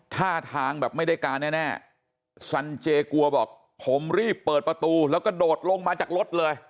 ท่าทางแบบไม่ได้การแน่สันเจกลัวบอกผมรีบเปิดประตูแล้วก็โดดลงมาจากรถเลย